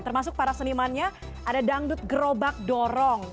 termasuk para senimannya ada dangdut gerobak dorong